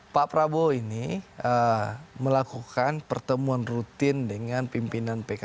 pak prabowo ini melakukan pertemuan rutin dengan pimpinan pks